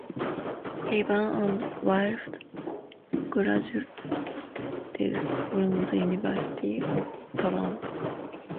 Evan and Wilfred graduated from the University of Toronto.